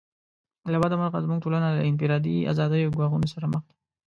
له بده مرغه زموږ ټولنه له انفرادي آزادیو ګواښونو سره مخ ده.